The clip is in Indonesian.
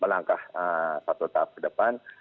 langkah satu tahap ke depan